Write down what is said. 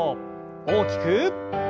大きく。